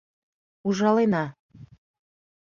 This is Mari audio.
— Ужалена.